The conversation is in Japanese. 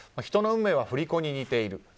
人の運命は振り子に似ている。